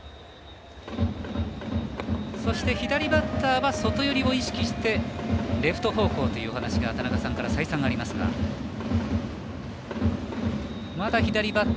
そして左バッターは外寄りを意識してレフト方向という話がありました。